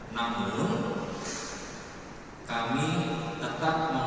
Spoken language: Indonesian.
yaitu penyelidikan secara digital forensik